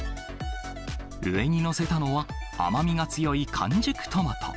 上に載せたのは甘みが強い完熟トマト。